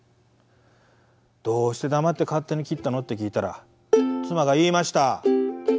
「どうして黙って勝手に切ったの？」って聞いたら妻が言いました。